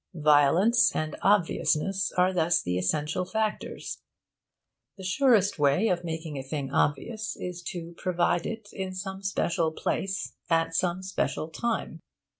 Violence and obviousness are thus the essential factors. The surest way of making a thing obvious is to provide it in some special place, at some special time.